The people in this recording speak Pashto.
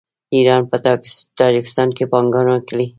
ایران په تاجکستان کې پانګونه کړې.